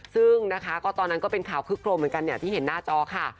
ซึ่งตอนนั้นก็เป็นข่าวคึกโครมเหมือนกันที่เห็นหน้าจอค่ะ